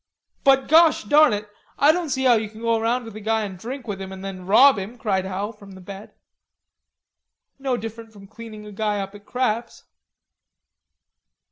"But, gosh darn it, I don't see how you can go around with a guy an' drink with him, an' then rob him," cried Al from the bed. "No different from cleaning a guy up at craps."